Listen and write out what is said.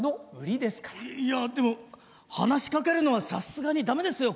いやでも話しかけるのはさすがに駄目ですよ